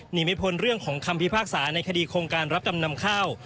หนีไม่พ้นเรื่องของคำพิพากษาในคดีโครงการรับจำนำข้าว